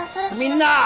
みんな！